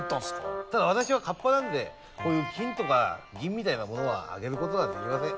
ただ私はカッパなんでこういう金とか銀みたいなものはあげることはできません。